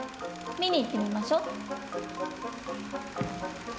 見に行ってみましょう。